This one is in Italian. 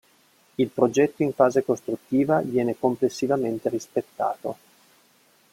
Il progetto in fase costruttiva viene complessivamente rispettato.